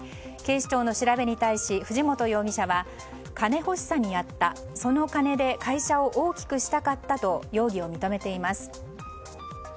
警視庁の調べに対し藤本容疑者は金欲しさにやったその金で会社を大きくしたかったと容疑を認めています。